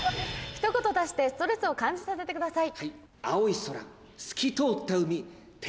「一言足してストレスを感じさせて下さい」。